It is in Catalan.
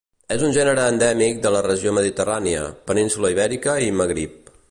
És un gènere endèmic de la regió mediterrània, Península Ibèrica i Magrib.